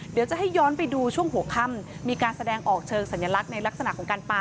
เดี๋ยวจะให้ย้อนไปดูช่วงหัวค่ำมีการแสดงออกเชิงสัญลักษณ์ในลักษณะของการปลา